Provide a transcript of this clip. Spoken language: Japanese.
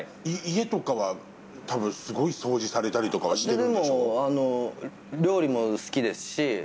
家とかは多分すごい掃除されたりとかはでも、料理も好きですし。